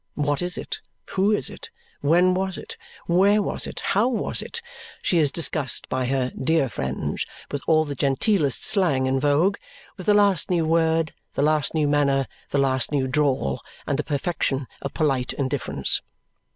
What is it? Who is it? When was it? Where was it? How was it? She is discussed by her dear friends with all the genteelest slang in vogue, with the last new word, the last new manner, the last new drawl, and the perfection of polite indifference.